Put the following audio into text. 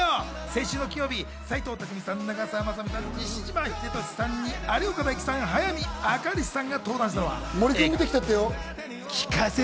先週金曜日、斎藤工さん、長澤まさみさん、西島秀俊さん、有岡大貴さん、早見あかりさんが登壇したのは。